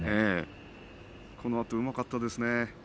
このあとうまかったですね